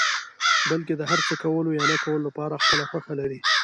بلکې د هر څه کولو يا نه کولو لپاره خپله خوښه لري.